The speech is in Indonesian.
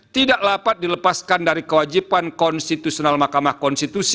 tidak dapat dilepaskan dari kewajiban konstitusional mahkamah konstitusi